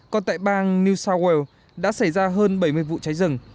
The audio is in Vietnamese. còn tại bang new south wales đã xảy ra hơn bảy mươi vụ cháy rừng